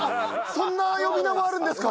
そんな呼び名もあるんですか。